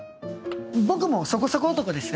僕もそこそこ男ですよ